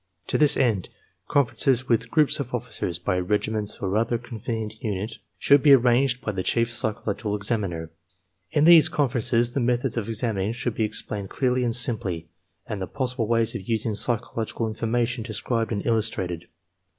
To this end, conferences with groups of officers, by regiments or other convenient unit, should be arranged by the chief psychological examiner. In these con ferences the methods of examining should be explained clearly and simply, and the possible ways of using psychological in formation described and illustrated.